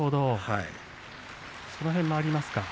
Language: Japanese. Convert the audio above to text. その辺もありますかね。